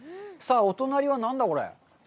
さあ、お隣は何だ？